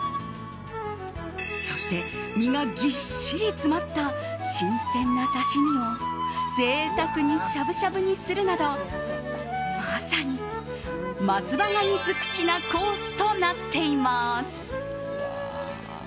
そして身がぎっしり詰まった新鮮な刺し身を贅沢にしゃぶしゃぶにするなどまさに松葉ガニ尽くしなコースとなっています。